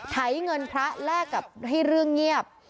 ไถเงินพระแลกกับให้เรื่องเงียบ